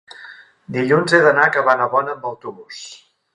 dilluns he d'anar a Cabanabona amb autobús.